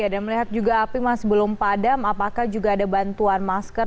dan melihat juga api mas sebelum padam apakah juga ada bantuan masker